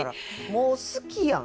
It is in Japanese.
もう好きやん。